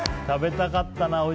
食べたかったな。